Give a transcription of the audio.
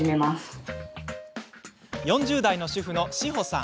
４０代の主婦、志保さん。